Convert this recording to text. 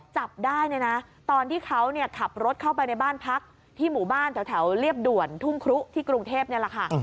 จับได้เนี่ยนะตอนที่เขาขับรถเข้าไปในบ้านพักที่หมู่บ้านแถวเรียบด่วนทุ่งครุที่กรุงเทพนี่แหละค่ะ